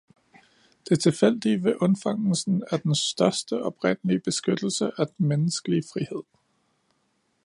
Det tilfældige ved undfangelsen er den største oprindelige beskyttelse af den menneskelige frihed.